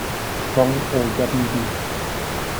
Strong or W. B.